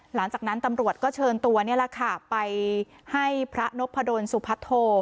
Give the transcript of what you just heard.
หลังจากนั้นตำรวจก็เชิญตัวนี่แหละค่ะไปให้พระนพดลสุพัทโธ